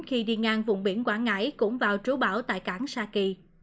khi đi ngang vùng biển quảng ngãi cũng vào trú bão tại cảng sa kỳ